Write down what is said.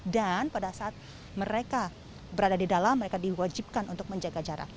dan pada saat mereka berada di dalam mereka diwajibkan untuk menjaga jarak